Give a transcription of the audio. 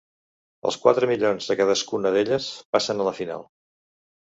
Els quatre millors de cadascuna d'elles passen a la final.